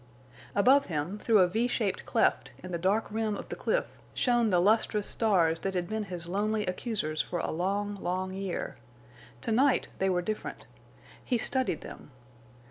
Above him, through a V shaped cleft in the dark rim of the cliff, shone the lustrous stars that had been his lonely accusers for a long, long year. To night they were different. He studied them.